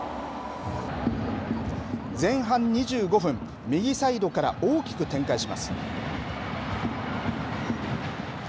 前半２５分、右サイドから大きく展開します。